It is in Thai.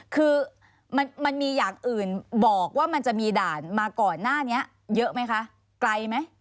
คือมันมีอย่างอื่นบอกว่ามันจะมีด่านมาก่อนหน้านี้เยอะไหมคะไกลไหม